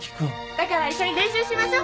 だから一緒に練習しましょ。